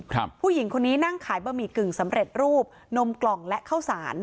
ผู้หญิงคนนี้นั่งขายบะหมี่กึ่งสำเร็จรูปนมกล่องและข้าวสาร